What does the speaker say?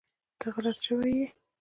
ته غلط شوی ېي